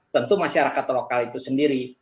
tentu masyarakat lokal itu sendiri